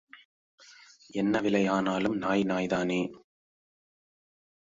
என்ன விலை ஆனாலும் நாய் நாய்தானே?